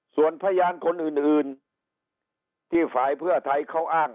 ส่วนพยานคนอื่นที่ฝ่ายเพื่อไทยเขาอ้าง